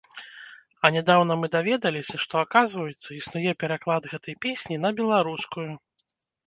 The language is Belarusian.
А нядаўна мы даведаліся, што, аказваецца, існуе пераклад гэтай песні на беларускую.